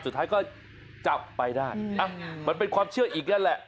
สุดท้ายก็จับไปได้มันเป็นความเชื่ออีกนั่นแหละ